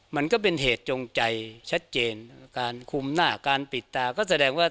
มันก็เป็นเหตุจงใจชัดเจนการคุมหน้าการปิดตาก็แสดงว่า